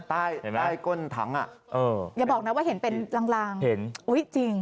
ใต้ก้นถังอ่ะเอออย่าบอกนะว่าเห็นเป็นลางลางเห็นอุ้ยจริง